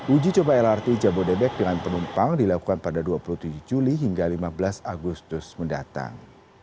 uji coba lrt jabodebek dengan penumpang dilakukan pada dua puluh tujuh juli hingga lima belas agustus mendatang